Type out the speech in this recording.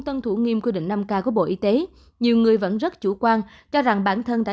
tuân thủ nghiêm quy định năm k của bộ y tế nhiều người vẫn rất chủ quan cho rằng bản thân đã